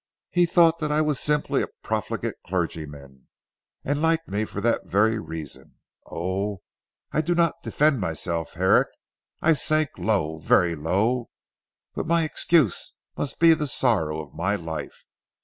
He thought that I was simply a profligate clergyman, and liked me for that very reason, Oh, I do not defend myself Herrick; I sank low, very low, but my excuse must be the sorrow of my life.